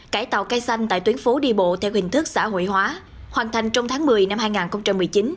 cải tạo cây xanh tại tuyến phố đi bộ theo hình thức xã hội hóa hoàn thành trong tháng một mươi năm hai nghìn một mươi chín